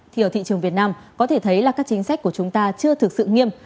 thì ở thị trường việt nam có thể thấy là các chính sách của chúng ta chưa thực sự nghiêm